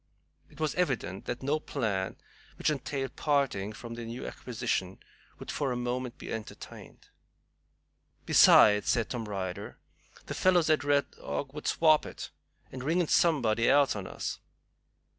It was evident that no plan which entailed parting from their new acquisition would for a moment be entertained. "Besides," said Tom Ryder, "them fellows at Red Dog would swap it, and ring in somebody else on us."